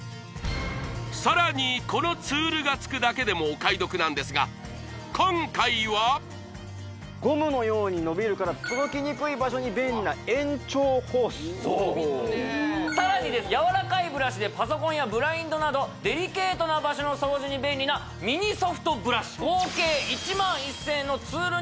このツールがつくだけでもお買い得なんですが今回はゴムのように伸びるから届きにくい場所に便利なさらにですやわらかいブラシでパソコンやブラインドなどデリケートな場所の掃除に便利な合計１万１０００円のツール